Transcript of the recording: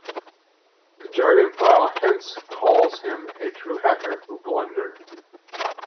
The "Jargon File" hence calls him "a true hacker who blundered".